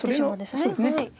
そうですね。